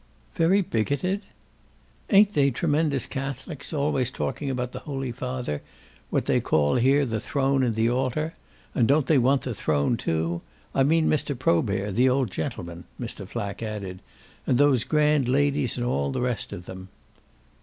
"Very bigoted?" "Ain't they tremendous Catholics always talking about the Holy Father; what they call here the throne and the altar? And don't they want the throne too? I mean Mr. Probert, the old gentleman," Mr. Flack added. "And those grand ladies and all the rest of them."